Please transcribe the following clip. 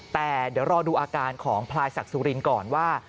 แต่เดี๋ยวรอดูอาการของพลายศักดิ์สุรินทร์ก่อนว่า